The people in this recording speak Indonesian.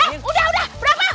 eh udah udah berapa